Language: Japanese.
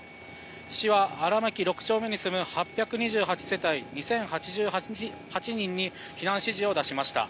市は荒牧６丁目に住む８２８世帯２０８８人に避難指示を出しました。